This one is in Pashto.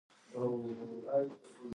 متن د کتاب یا مکتوت اصلي عبارت ته وايي.